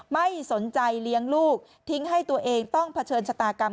ไม่สนใจเลี้ยงลูกทิ้งให้ตัวเองต้องเผชิญชะตากรรม